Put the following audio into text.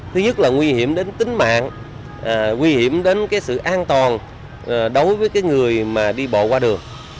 thứ nhất là nguy hiểm đến tính mạng nguy hiểm đến sự an toàn đối với người đi bộ qua đường